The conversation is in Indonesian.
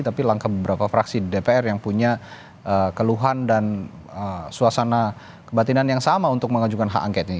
tapi langkah beberapa fraksi di dpr yang punya keluhan dan suasana kebatinan yang sama untuk mengajukan hak angket ini